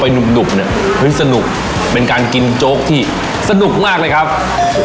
ไปหนุ่มหิ้นสนุกเป็นการกินโจ๊กที่สนุกมากแหละครับหัว